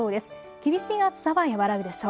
厳しい暑さは和らぐでしょう。